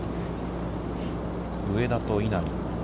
上田と稲見。